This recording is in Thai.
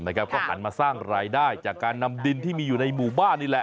โนต่านมาสร้างรายได้จากการนำดินที่มาในบ้านอีกแล้ว